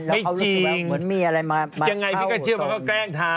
ไม่จริงยังไงพี่ก็เชื่อว่าเขาแกล้งทำ